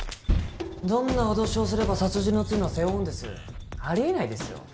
どんな脅しをすれば殺人の罪を背負うんですありえないですよ